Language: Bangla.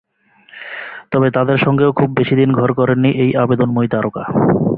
তবে তাদের সঙ্গেও খুব বেশিদিন ঘর করেননি এই আবেদনময়ী তারকা।